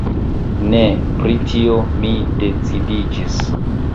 Ne! Pri tio mi decidiĝis.